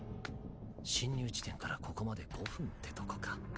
侵入地点からここまで５分ってとこか。